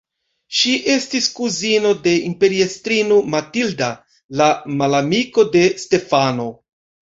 Ŝi estis kuzino de imperiestrino Matilda, la malamiko de Stefano.